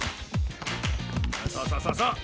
そうそうそうそうそう！